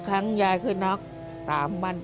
ทำงานชื่อนางหยาดฝนภูมิสุขอายุ๕๔ปี